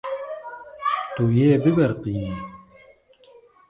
Tu yê bibiriqînî.